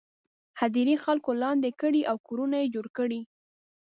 هدیرې خلکو لاندې کړي او کورونه یې جوړ کړي.